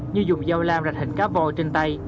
như dùng dâu lam rạch hình cá vô trên tay